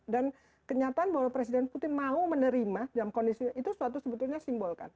dan kenyataan bahwa presiden putin mau menerima dalam kondisi itu sebetulnya sebuah simbol